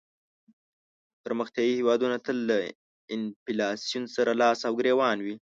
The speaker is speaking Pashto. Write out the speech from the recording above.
پرمختیایې هېوادونه تل له انفلاسیون سره لاس او ګریوان وي.